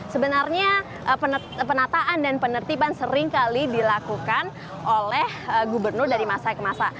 sebenarnya penataan dan penertiban seringkali dilakukan oleh gubernur dari masa ke masa